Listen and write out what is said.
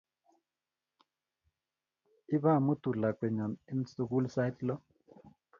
Ibamutu lakwenyo eng' sukul sait lo